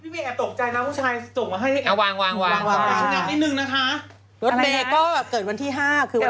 วันอาทิตย์พี่นี่ตรงกับวันอาทิตย์ค่ะ